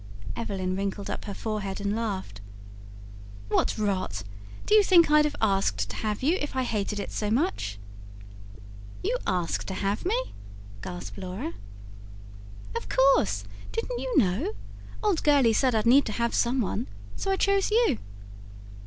Evelyn wrinkled up her forehead and laughed. "What rot! Do you think I'd have asked to have you, if I hated it so much?" "You asked to have me?" gasped Laura. "Of course didn't you know? Old Gurley said I'd need to have some one; so I chose you."